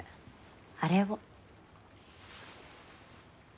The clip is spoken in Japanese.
あれを。